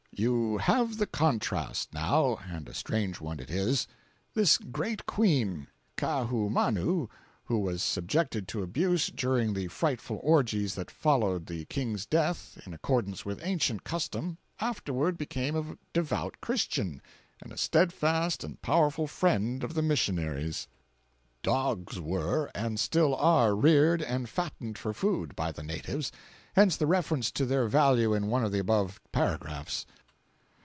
You have the contrast, now, and a strange one it is. This great Queen, Kaahumanu, who was "subjected to abuse" during the frightful orgies that followed the King's death, in accordance with ancient custom, afterward became a devout Christian and a steadfast and powerful friend of the missionaries. Dogs were, and still are, reared and fattened for food, by the natives—hence the reference to their value in one of the above paragraphs.